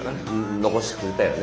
のこしてくれたよね。